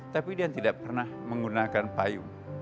tapi dia tidak pernah menggunakan payung